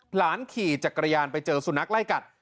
หลานขี่จักรยานไปเจอสุนัขไล่กัด